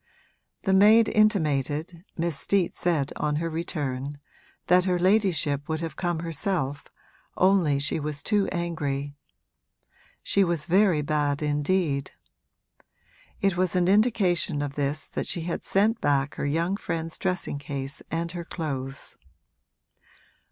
The maid intimated, Miss Steet said on her return, that her ladyship would have come herself, only she was too angry. She was very bad indeed. It was an indication of this that she had sent back her young friend's dressing case and her clothes.